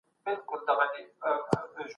هغه وویل چي زمانه باید په نظر کي ونیول سي.